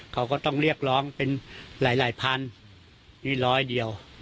เขาก็ต้องเรียกร้องเป็นหลายพันนี่ร้อยเดียว